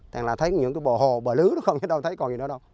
tại là thấy những cái bộ hồ bộ lứa nó không thấy đâu thấy còn gì nữa đâu